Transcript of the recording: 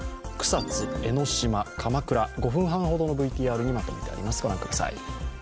草津、江の島、鎌倉、５分半ほどのＶＴＲにまとめてあります。